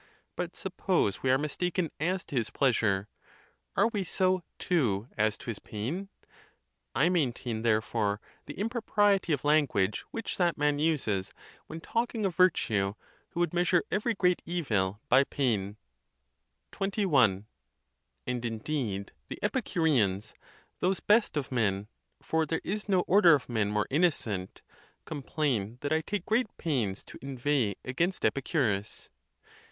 But suppose we are mistaken as to his pleasure; are we so, too, as to his pain? I maintain, therefore, the impropriety of language which that man uses, when talking of virtue, who would measure every great evil by pain. XXI. And indeed the Epicureans, those best of men— for there is no order of men more innocent—complain that I take great pains to inveigh against Epicurus.